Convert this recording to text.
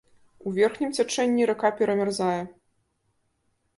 У верхнім цячэнні рака перамярзае.